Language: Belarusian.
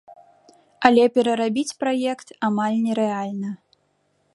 Але перарабіць праект амаль нерэальна.